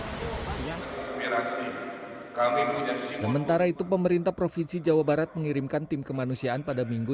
aspirasi kami sementara itu pemerintah provinsi jawa barat mengirimkan tim kemanusiaan pada minggu